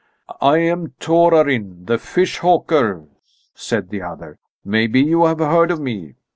"I am Torarin the fish hawker," said the other; "maybe you have heard of me?